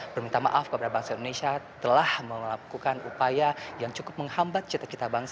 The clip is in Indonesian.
permintaan maaf kepada bangsa indonesia telah melakukan upaya yang cukup menghambat cita cita bangsa